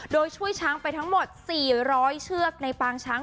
โดยช่วยช้างไปทั้งหมด๔๐๐เชือกในปางช้าง